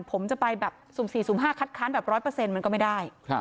ผมจะไปแบบสูงสี่สูงห้าคัดคั้นแบบร้อยเปอร์เซ็นต์มันก็ไม่ได้